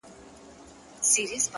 • په کمزوري لښکر ګډه سوله ماته ,